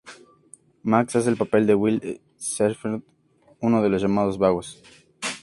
Max hace el papel de Will Shepherd, uno de los llamados "vagos".